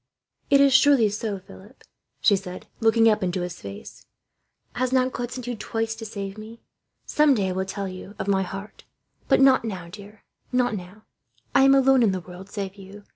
"It is surely so, Philip," she said, looking up into his face. "Has not God sent you twice to save me? Some day I will tell you of my heart, but not now, dear not now. I am alone in the world, save you.